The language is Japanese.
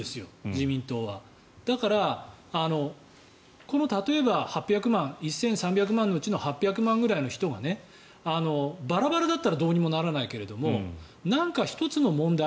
自民党はだから、例えば１３００万のうちの８００万くらいの人がバラバラだったらどうにもならないけど何か１つの問題